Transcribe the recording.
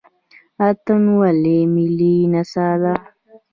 اتن ولې ملي نڅا ده؟